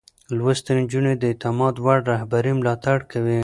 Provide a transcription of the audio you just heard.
لوستې نجونې د اعتماد وړ رهبرۍ ملاتړ کوي.